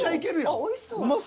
あっおいしそう。